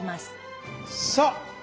さあ！